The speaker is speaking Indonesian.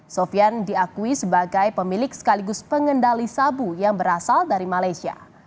sofian diakui sebagai pemilik sekaligus pengendali sabu yang berasal dari malaysia